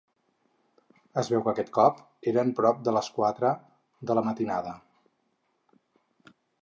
Es veu que aquest cop eren prop de les quatre de la matinada.